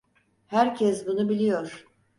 Herkes bunu biliyor.